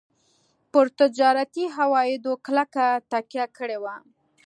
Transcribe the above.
پر تجارتي عوایدو کلکه تکیه کړې وه.